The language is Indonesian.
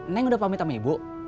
neng udah pamit sama ibu